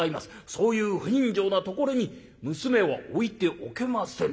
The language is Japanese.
そういう不人情なところに娘は置いておけません』